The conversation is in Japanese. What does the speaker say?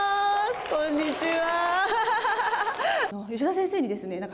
こんにちは。